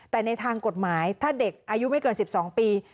แต่ในทางกฎหมายถ้าเด็กอายุไม่เกิน๑๒ปี